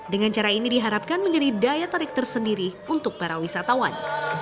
dengan cara ini diharapkan menjadi daya tarik tersendiri untuk para wisatawan